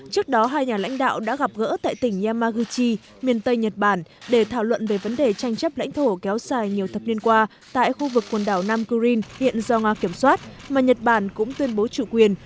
trước đó hai nhà lãnh đạo đã gặp gỡ tại tỉnh yamaguchi miền tây nhật bản để thảo luận về vấn đề tranh chấp lãnh thổ kéo dài nhiều thập niên qua tại khu vực quần đảo nam kurin hiện do nga kiểm soát mà nhật bản cũng tuyên bố chủ quyền